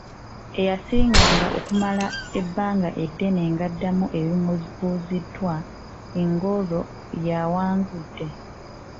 Eyasinga nga okumala ebbanga eddene ng’addamu ebimubuuzibwa ng’olwo y’awangudde.